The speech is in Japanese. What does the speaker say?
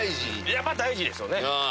やっぱ大事ですよね。